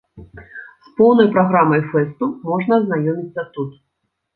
З поўнай праграмай фэсту можна азнаёміцца тут.